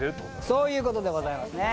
そういうことでございますね